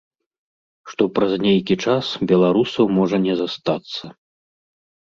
Што праз нейкі час беларусаў можа не застацца.